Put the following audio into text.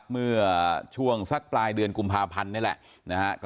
เมื่อช่วงสักปลายเดือนกุมภาพันธ์นี่แหละ